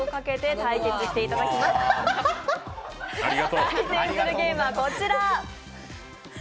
対戦するゲームはこちら。